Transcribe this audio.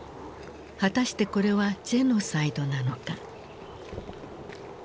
果たしてこれはジェノサイドなのか。